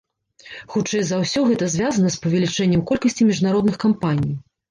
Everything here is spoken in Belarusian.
Хутчэй за ўсё, гэта звязана з павелічэннем колькасці міжнародных кампаній.